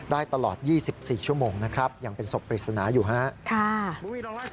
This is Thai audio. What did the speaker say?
ได้ตลอด๒๔ชั่วโมงนะครับยังเป็นศพปริศนาอยู่ครับ